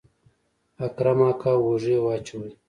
اکرم اکا اوږې واچولې.